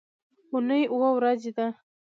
اونۍ اووه ورځې ده